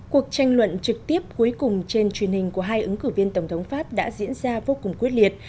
cuộc tranh luận trực tiếp cuối cùng trên truyền hình của hai ứng cử viên tổng thống pháp đã diễn ra vô cùng quyết liệt